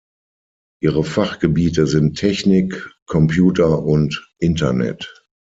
Ihre Fachgebiete sind Technik, Computer und Internet.